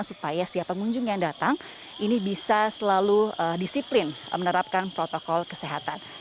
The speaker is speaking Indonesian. supaya setiap pengunjung yang datang ini bisa selalu disiplin menerapkan protokol kesehatan